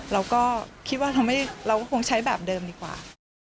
เราก็คิดว่าเราก็คงใช้แบบเดิมดีกว่า